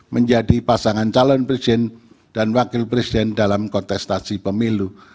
menjadi pasangan calon presiden dan wakil presiden dalam kontestasi pemilu